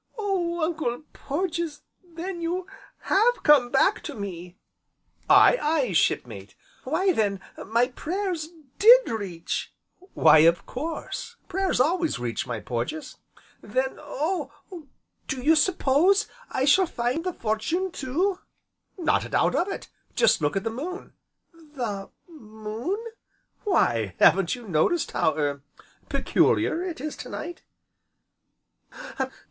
"Oh, Uncle Porges! then you have come back to me!" "Aye, aye, Shipmate." "Why, then my prayers did reach!" "Why, of course, prayers always reach, my Porges." "Then, oh! do you s'pose I shall find the fortune, too?" "Not a doubt of it, just look at the moon!" "The moon?" "Why, haven't you noticed how er peculiar it is to night?"